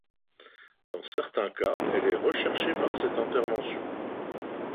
Dans certains cas elle est recherchée par cette intervention.